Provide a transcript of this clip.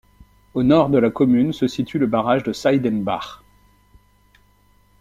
Au nord de la commune se situe le barrage de Saidenbach.